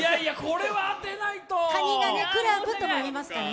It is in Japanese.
カニがクラブとも言いますからね。